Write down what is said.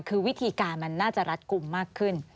คือวิธีการมันน่าจะรัดกลุ่มมากขึ้น